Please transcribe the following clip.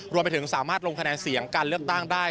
รวมไปถึงสามารถลงคะแนนเสียงการเลือกตั้งได้